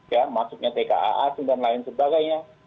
ya maksudnya tka asing dan lain sebagainya